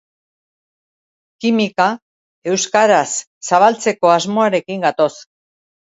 Kimika euskaraz zabaltzeko asmoarekin gatoz.